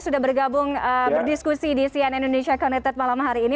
sudah bergabung berdiskusi di sian indonesia connected malam hari ini